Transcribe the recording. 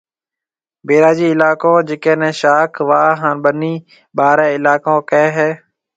بئراجِي علائقو جڪيَ نيَ شاخ، واھ ھان ٻنِي ٻارَي علائقو ڪھيََََ ھيََََ